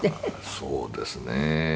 「そうですね。